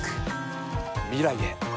未来へ。